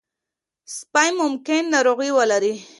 سپي ممکن ناروغي ولري.